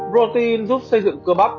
protein giúp xây dựng cơ bắp